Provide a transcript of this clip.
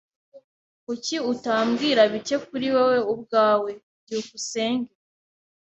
Kuki utambwira bike kuri wewe ubwawe? byukusenge